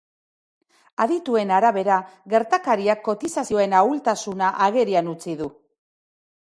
Adituen arabera, gertakariak kotizazioen ahultasuna agerian utzi du.